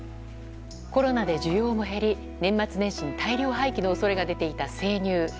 コロナで需要も減り年末年始に大量廃棄の恐れが出ていた生乳。